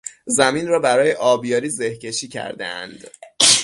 زمین را برای آبیاری زهکشی کردهاند.